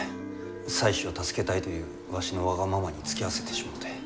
妻子を助けたいというわしのわがままにつきあわせてしもうて。